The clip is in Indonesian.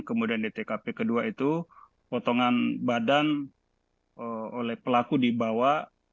kemudian di tkp kedua itu potongan badan oleh pelaku dibawa